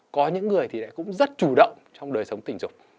có những người thì cũng rất chủ động trong đời sống tình dục